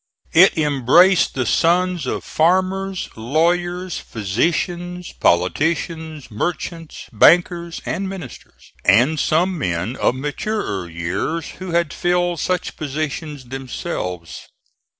It embraced the sons of farmers, lawyers, physicians, politicians, merchants, bankers and ministers, and some men of maturer years who had filled such positions themselves.